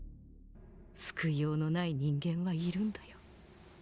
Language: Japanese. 救いようの無い人間はいるんだよ。